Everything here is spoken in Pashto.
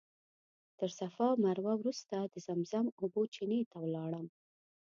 تر صفا او مروه وروسته د زمزم اوبو چینې ته لاړم.